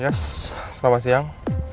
yes selamat siang